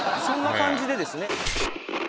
そんな感じでですねねえ